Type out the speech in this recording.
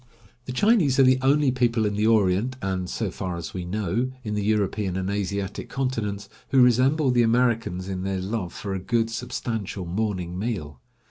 The Chinese are the only people in the Orient, and, so far as we know, in the European and Asiatic continents, who resemble the Americans in their love for a good, substantial morning meal.